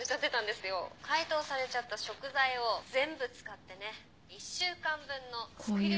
解凍されちゃった食材を全部使ってね１週間分の作り置きに。